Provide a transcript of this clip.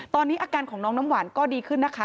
ตอนนี้อาการของน้องน้ำหวานก็ดีขึ้นนะคะ